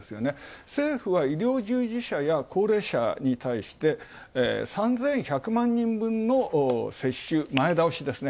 政府は医療従事者や高齢者に対して、３１００万人分の接種、前倒しですね。